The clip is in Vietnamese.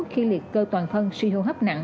khi liệt cơ toàn phân suy hô hấp nặng